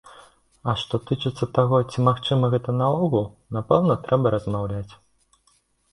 А што тычыцца таго, ці магчыма гэта наогул, напэўна трэба размаўляць.